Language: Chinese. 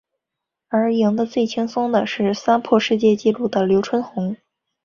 而赢得最轻松的是三破世界纪录的刘春红。